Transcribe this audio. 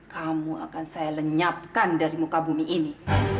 kamu akan saya lenyapkan dari muka bumi ini